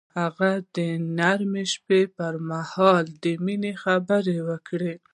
هغه د نرم شپه پر مهال د مینې خبرې وکړې.